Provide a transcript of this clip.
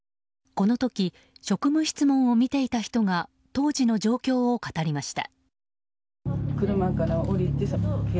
この時、職務質問を見ていた人が当時の状況を語りました。